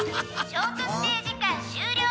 「ショートステイ時間終了」